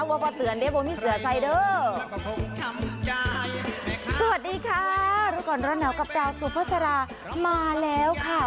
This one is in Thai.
ว่าพอเตือนด้วยว่ามีเสือใส่เด้อสวัสดีค่ะเราก่อนร้านนาวกับจาสุภาษารามาแล้วค่ะ